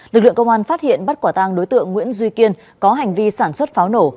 lực lượng công an phát hiện bắt quả tang đối tượng nguyễn duy kiên có hành vi sản xuất pháo nổ